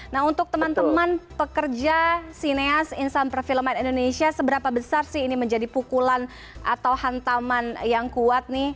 nah untuk teman teman pekerja sineas insan perfilman indonesia seberapa besar sih ini menjadi pukulan atau hantaman yang kuat nih